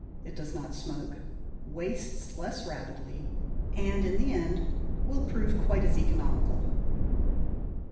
It does not smoke, wastes less rapidly, and in the end will prove quite as economical.